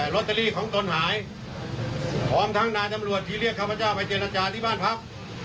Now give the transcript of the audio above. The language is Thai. ลอตเตอรี่ของตนหายพร้อมทั้งนายตำรวจที่เรียกข้าพเจ้าไปเจรจาที่บ้านพัก